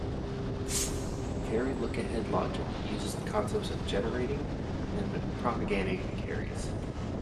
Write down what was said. Carry lookahead logic uses the concepts of "generating" and "propagating" carries.